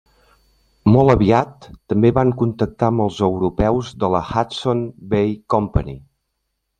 Molt aviat també van contactar amb els europeus de la Hudson's Bay Company.